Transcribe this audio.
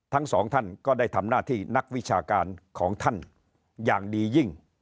ทั้งสองท่านก็ได้ทำหน้าที่นักวิชาการของท่านอย่างดียิ่ง